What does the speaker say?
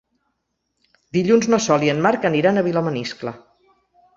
Dilluns na Sol i en Marc aniran a Vilamaniscle.